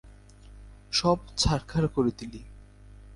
সব ছারখার করে দিলি।